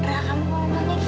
pernah kamu ngomongnya gitu sih